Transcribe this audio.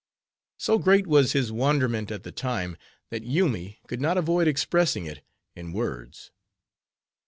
So great was his wonderment at the time, that Yoomy could not avoid expressing it in words.